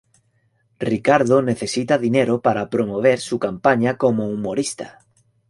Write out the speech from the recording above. Ricardo necesita dinero para promover su campaña como humorista.